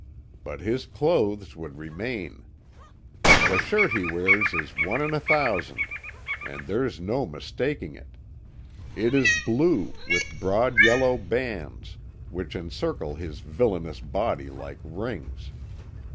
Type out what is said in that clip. But his clothes would remain. The shirt he wears is one in a thousand, and there's no mistaking it. It is blue, with broad yellow bands, which encircle his villainous body like rings.